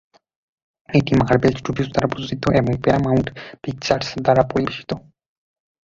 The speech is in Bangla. এটি মার্ভেল স্টুডিওস দ্বারা প্রযোজিত এবং প্যারামাউন্ট পিকচার্স দ্বারা পরিবেশিত।